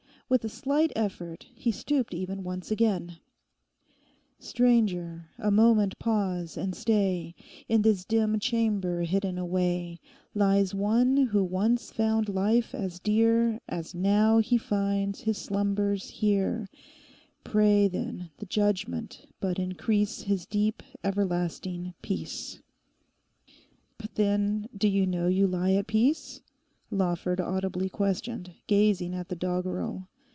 With a slight effort he stooped even once again;— 'Stranger, a moment pause, and stay; In this dim chamber hidden away Lies one who once found life as dear As now he finds his slumbers here: Pray, then, the Judgement but increase His deep, everlasting peace!' 'But then, do you know you lie at peace?' Lawford audibly questioned, gazing at the doggerel.